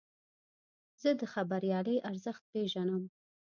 زه د خبریالۍ ارزښت پېژنم.